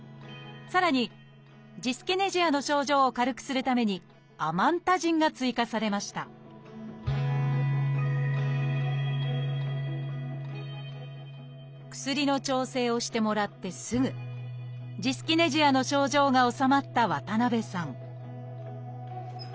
さらにジスキネジアの症状を軽くするために「アマンタジン」が追加されました薬の調整をしてもらってすぐジスキネジアの症状が治まった渡辺さん